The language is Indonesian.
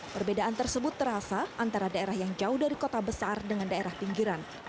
perbedaan tersebut terasa antara daerah yang jauh dari kota besar dengan daerah pinggiran